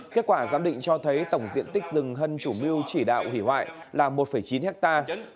kết quả giám định cho thấy tổng diện tích rừng hân chủ mưu chỉ đạo hủy hoại là một chín hectare